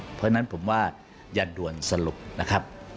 เพราะฉะนั้นผมว่าอย่าด่วนสรุปนะครับ